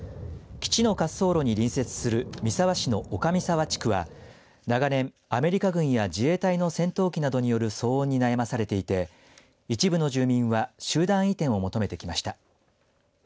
基地の滑走路に隣接する三沢市の岡三沢地区は長年、アメリカ軍や自衛隊の戦闘機などによる騒音に悩まされていて一部の住民は集団移転を求めてきました。